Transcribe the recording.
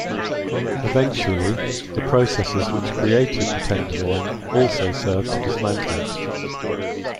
Eventually, the processes which created the Tenderloin also served to dismantle it.